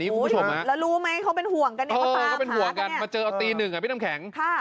แล้วรู้ไหมเค้าเป็นห่วงกันเอาตามมาเจอน้ำแข็ง